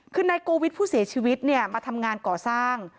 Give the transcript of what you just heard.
คือนายโกวิทย์ผู้เสียชีวิตเนี่ยมาทำงานก่อสร้าง